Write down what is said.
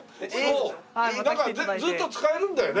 なんかずっと使えるんだよね？